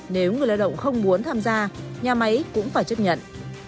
nếu người lao động không muốn tham gia nhà máy cũng phải chấp nhận